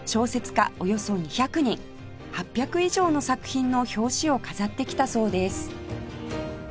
およそ２００人８００以上の作品の表紙を飾ってきたそうです